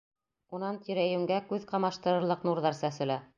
Унан тирә-йүнгә күҙ ҡамаштырырлыҡ нурҙар сәселә.